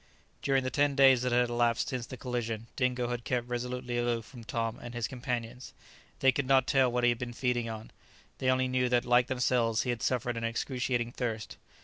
During the ten days that had elapsed since the collision, Dingo had kept resolutely aloof from Tom and his companions; they could not tell what he had been feeding on; they only knew that, like themselves, he had suffered an excruciating thirst.